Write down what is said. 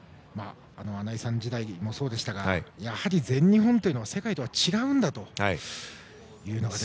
穴井さんの時代もそうでしたがやはり、全日本というのは世界とは違うんだというのが。